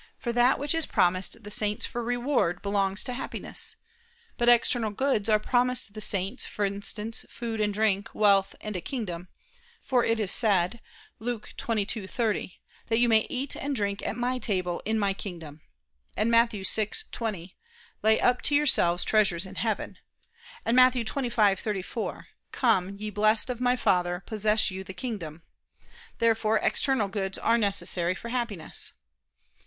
For that which is promised the saints for reward, belongs to Happiness. But external goods are promised the saints; for instance, food and drink, wealth and a kingdom: for it is said (Luke 22:30): "That you may eat and drink at My table in My kingdom": and (Matt. 6:20): "Lay up to yourselves treasures in heaven": and (Matt. 25:34): "Come, ye blessed of My Father, possess you the kingdom." Therefore external goods are necessary for Happiness.